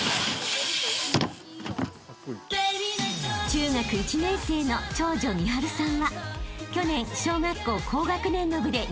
［中学１年生の長女美晴さんは去年小学校高学年の部で日本一に］